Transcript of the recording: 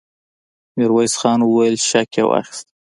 ميرويس خان وويل: شک يې واخيست!